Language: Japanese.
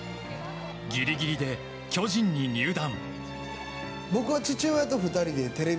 ギリギリで巨人に入団。